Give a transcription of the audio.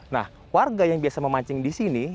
nah warga yang biasa memancing di sini